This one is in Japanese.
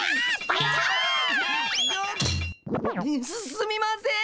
すすみません！